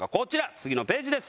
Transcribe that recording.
次のページです。